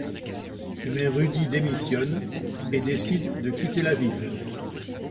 Mais Rudi démissionne et décide de quitter la ville.